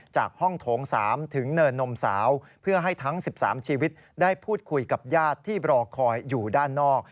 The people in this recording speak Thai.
จากห้องโถง๓ถึงเนินนมสาวเพื่อให้ทั้ง๑๓ชีวิตได้พูดคุยกับญาติที่รอคอยอยู่ด้านนอก